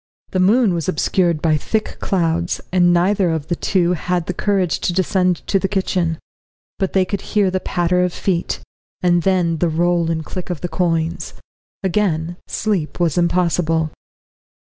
The moon was obscured by thick clouds, and neither of the two had the courage to descend to the kitchen. But they could hear the patter of feet, and then the roll and click of the coins. Again sleep was impossible.